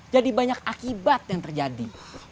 jadi banyak akibat yang terjadi